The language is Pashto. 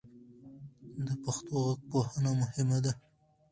د پښتو غږپوهنه مهمه ده.